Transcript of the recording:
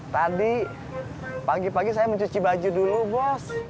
tadi pagi pagi saya mencuci baju dulu bos